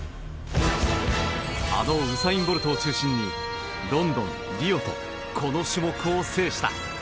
あのウサイン・ボルトを中心にロンドン、リオとこの種目を制した。